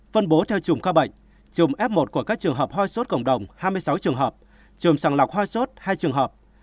phân bố theo chùm ca bệnh trùng f một của các trường hợp hoi sốt cộng đồng hai mươi sáu trường hợp chùm sàng lọc hoi sốt hai trường hợp